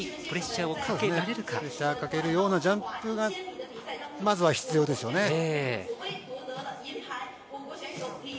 プレッシャーをかけるようなジャンプがまずは必要ですよね。